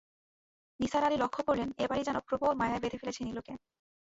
নিসার আলি লক্ষ করলেন, এ-বাড়ি যেন প্রবল মায়ায় বেঁধে ফেলেছে নীলুকে।